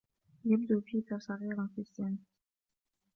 يبدو بيتر صغيراً في السن.